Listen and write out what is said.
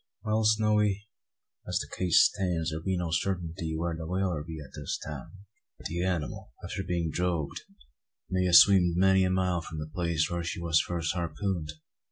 "Well, Snowy, as the case stands, thear be no sartinty where the whaler be at this time. The anymal, after being drogued, may a' sweemed many a mile from the place where she war first harpooned.